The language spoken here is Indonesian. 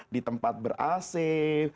di tempat berasif